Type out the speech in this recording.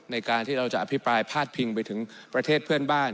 ในการที่เราจะอภิปรายพาดพิงไปถึงประเทศเพื่อนบ้าน